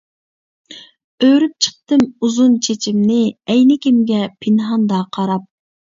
ئۆرۈپ چىقتىم ئۇزۇن چېچىمنى، ئەينىكىمگە پىنھاندا قاراپ.